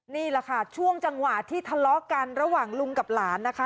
นี่แหละค่ะช่วงจังหวะที่ทะเลาะกันระหว่างลุงกับหลานนะคะ